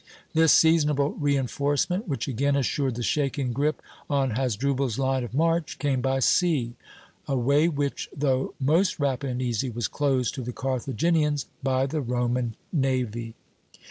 This seasonable reinforcement, which again assured the shaken grip on Hasdrubal's line of march, came by sea, a way which, though most rapid and easy, was closed to the Carthaginians by the Roman navy.